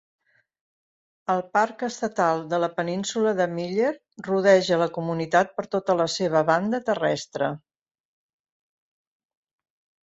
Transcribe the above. El parc estatal de la península de Miller rodeja la comunitat per tota la seva banda terrestre.